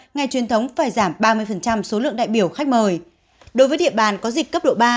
ngày truyền thống phải giảm ba mươi số lượng đại biểu khách mời đối với địa bàn có dịch cấp độ ba